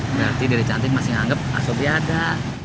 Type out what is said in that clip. berarti dedek cantik masih nganggep asobri ada